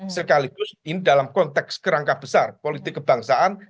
sekaligus ini dalam konteks kerangka besar politik kebangsaan